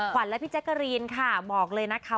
ขวัญแล้วพี่จั๊กก้ารีนค่ะบอกเลยนะครับ